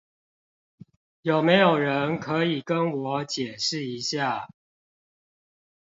有沒有人可以跟我解釋一下